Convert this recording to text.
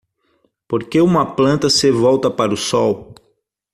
Por que uma planta se volta para o sol?